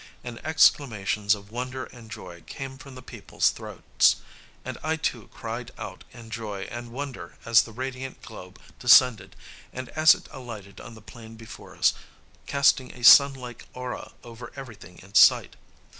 And exclamations of wonder and joy came from the people's throats; and I too cried out in joy and wonder as the radiant globe descended, and as it alighted on the plain before us, casting a sunlike aura over everything in sight.